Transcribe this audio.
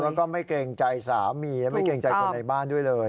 แล้วก็ไม่เกรงใจสามีและไม่เกรงใจคนในบ้านด้วยเลย